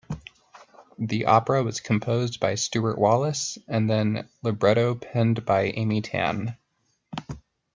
The opera was composed by Stewart Wallace, and the libretto penned by Amy Tan.